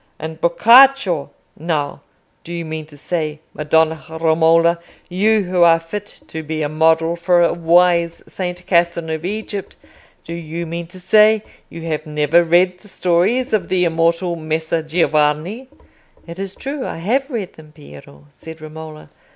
And Boccaccio, now: do you mean to say, Madonna Romola—you who are fit to be a model for a wise Saint Catherine of Egypt—do you mean to say you have never read the stories of the immortal Messer Giovanni?" "It is true I have read them, Piero," said Romola.